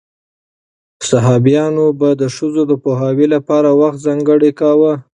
صحابیانو به د ښځو د پوهاوي لپاره وخت ځانګړی کاوه.